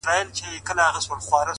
دا عجیب منظرکسي ده! وېره نه لري امامه!